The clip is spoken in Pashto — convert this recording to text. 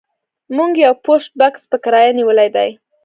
موږ یو پوسټ بکس په کرایه نیولی دی